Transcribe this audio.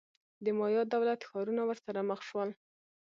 د مایا دولت-ښارونه ورسره مخ شول.